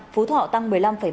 phú thọ tăng một mươi năm ba